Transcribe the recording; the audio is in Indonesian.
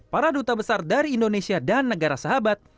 para duta besar dari indonesia dan negara sahabat